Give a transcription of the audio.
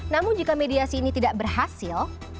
namun jika mediasi ini tidak berhasil